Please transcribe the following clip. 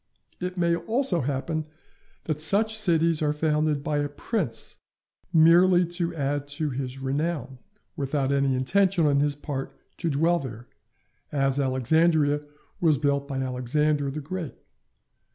It may also happen that such cities are founded by a prince merely to add to his renown, without any intention on his part to dwell there, as Alexandria was built by Alexander the Great.